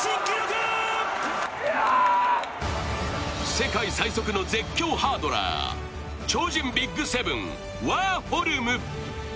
世界最速の絶叫ハードラー、超人ＢＩＧ７、ワーホルム。